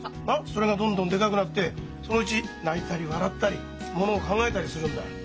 それがどんどんでかくなってそのうち泣いたり笑ったりものを考えたりするんだよ。